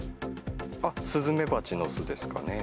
あっ、スズメバチの巣ですかね。